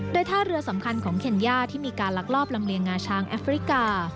โดยท่าเรือสำคัญของเคนย่าที่มีการลักลอบลำเลียงงาช้างแอฟริกา